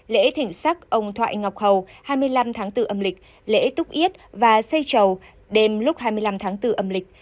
lễ thỉnh sắc ông thoại ngọc hầu hai mươi năm tháng bốn âm lịch lễ túc yết và xây trầu đêm lúc hai mươi năm tháng bốn âm lịch